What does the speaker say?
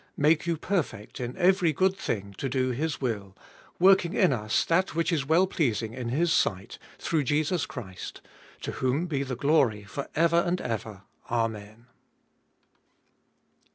... 21. Make you perfect in every good thing to do his will, working in us that which is well pleasing in his sight, through Jesus Christ; to whom be the glory for ever and ever. Amen.